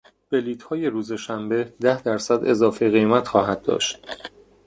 بلیطهای روز شنبه ده درصد اضافه قیمت خواهند داشت.